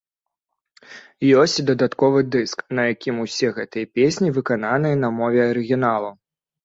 Ёсць і дадатковы дыск, на якім усе гэтыя песні выкананыя на мове арыгіналу.